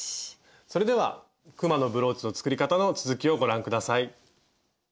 それではくまのブローチの作り方の続きをご覧下さい。